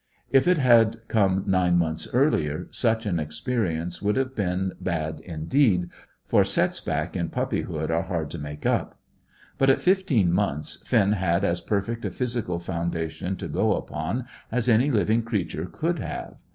If it had come nine months earlier, such an experience would have been bad indeed, for sets back in puppyhood are hard to make up. But at fifteen months Finn had as perfect a physical foundation to go upon as any living creature could have.